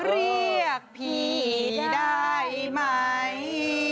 เรียกพี่ได้ไหม